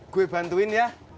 gue bantuin ya